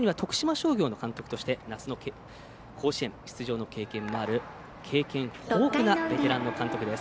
さらに徳島商業の監督として夏の甲子園出場経験もある経験豊富なベテランの監督です。